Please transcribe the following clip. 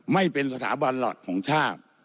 ไม่เป็นสถาบันหลักของชาติ